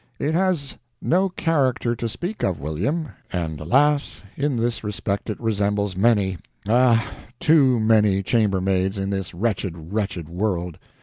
It has no character to speak of, William, and alas! in this respect it resembles many, ah, too many chambermaids in this wretched, wretched world.